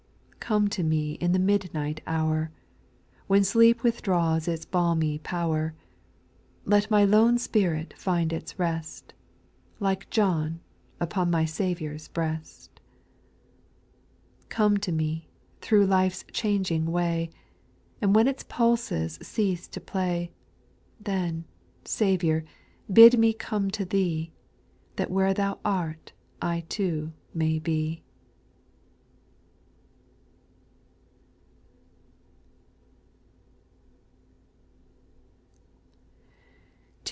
) 4. Come to me in the midnight hour. When sleep withdraws its balmy power, Let my lone spirit find its rest. Like John, upon my Saviour's breast, i 5.^ Come to me through life's changing way; And when its pulses cease to play. Then, Saviour, bid me come to Thee, That where Thou art I too may be.